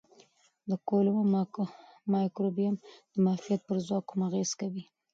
د کولمو مایکروبیوم د معافیت پر ځواک هم اغېز کوي.